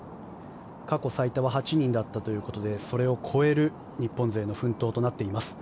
過去最多は８人だったということでそれを超える日本勢の奮闘となっています。